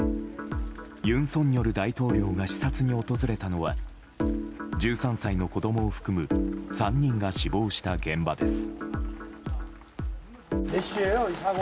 尹錫悦大統領が視察に訪れたのは１３歳の子供を含む３人が死亡した現場です。